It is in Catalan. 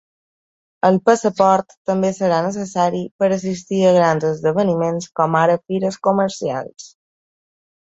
El passaport també serà necessari per assistir a grans esdeveniments com ara fires comercials.